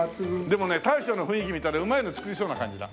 でもね大将の雰囲気見たらうまいの作りそうな感じだ。